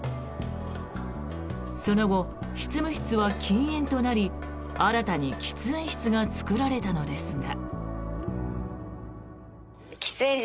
その後、執務室は禁煙となり新たに喫煙室が作られたのですが。